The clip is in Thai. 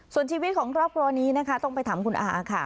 ส่วนชีวิตของครอบครัวนี้นะคะต้องไปถามคุณอาค่ะ